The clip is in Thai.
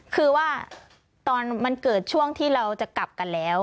คือว่าตอนมันเกิดช่วงที่เราจะกลับกันแล้ว